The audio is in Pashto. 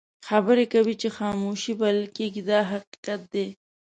خبرې کوي چې خاموشي بلل کېږي دا حقیقت دی.